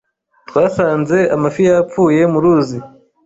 Twasanze amafi yapfuye mu ruzi.